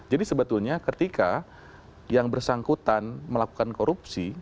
jadi sebetulnya ketika yang bersangkutan melakukan korupsi